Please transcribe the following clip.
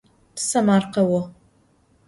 Tesemerkheu.